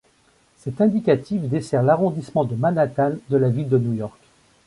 Cet indicatif dessert l'arrondissement de Manhattan de la ville de New York.